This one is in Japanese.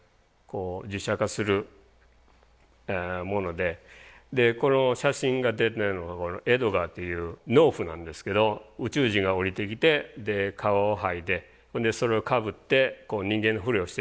でこの写真が出てるのがエドガーという農夫なんですけど宇宙人が降りてきてで皮を剥いでほんでそれをかぶって人間のふりをしてると。